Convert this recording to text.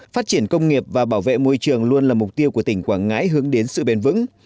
phát triển công nghiệp và bảo vệ môi trường luôn là mục tiêu của tỉnh quảng ngãi hướng đến sự bền vững